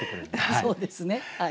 そうですね。